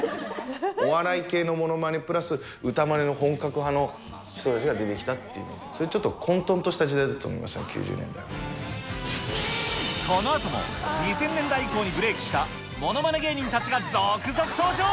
お笑い系のものまねプラス歌まねの本格派の人たちが出てきたっていうのが、ちょっと混とんとした時代だと思いますね、９０年このあとも、２０００年代以降にブレークしたものまね芸人たちが続々登場。